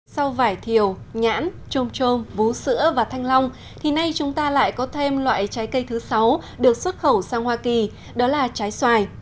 sau vải thiều nhãn trôm trôm vú sữa và thanh long thì nay chúng ta lại có thêm loại trái cây thứ sáu được xuất khẩu sang hoa kỳ đó là trái xoài